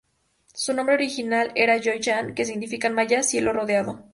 Su nombre original era "Joy Chan" que significa en maya: ""Cielo Rodeado"".